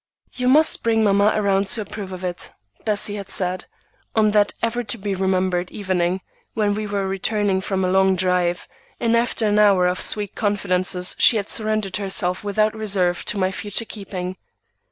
"You must bring mamma around to approve of it," Bessie had said, on that ever to be remembered evening, when we were returning from a long drive, and after an hour of sweet confidences she had surrendered herself without reserve to my future keeping.